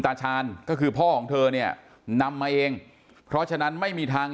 ตาชาญก็คือพ่อของเธอเนี่ยนำมาเองเพราะฉะนั้นไม่มีทาง